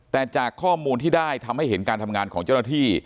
แต่จากข้อมูลที่ได้ทำให้เห็นการทำงานของเจ้าหน้าที่